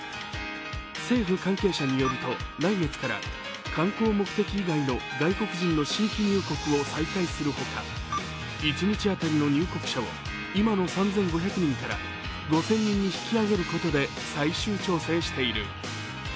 政府関係者によると来月から観光目的以外の外国人の新規入国を再開するほか一日当たりの入国者を今の３５００人から５０００人に引き上げることで最終調整している。